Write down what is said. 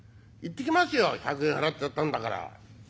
行ってきますよ１００円払っちゃったんだから。